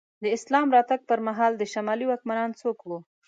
د اسلام راتګ پر مهال د شمالي واکمنان څوک وو؟